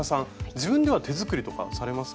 自分では手作りとかされますか？